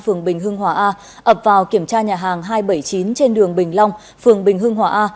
phường bình hưng hòa a ập vào kiểm tra nhà hàng hai trăm bảy mươi chín trên đường bình long phường bình hưng hòa a